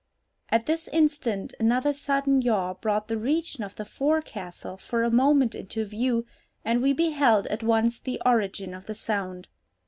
At this instant another sudden yaw brought the region of the forecastle for a moment into view, and we beheld at once the origin of the sound.